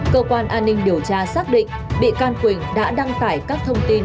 cơ quan an ninh điều tra xác định bị can quỳnh đã đăng tải các thông tin